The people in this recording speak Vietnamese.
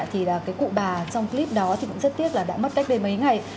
thì cái cụ bà trong clip đó thì cũng rất tiếc là đã mất cách đây mấy ngày